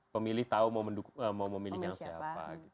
pemilih tahu mau memilih yang siapa